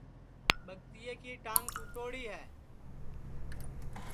ٻگتیئے کی ٹانگ ٹُوٹوڑی ہے